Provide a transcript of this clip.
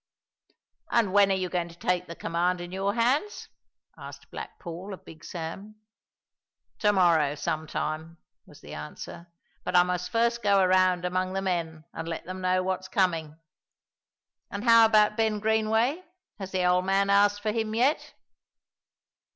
"And when are you going to take the command in your hands?" asked Black Paul of Big Sam. "To morrow, some time," was the answer, "but I must first go around among the men and let them know what's coming." "And how about Ben Greenway? Has the old man asked for him yet?"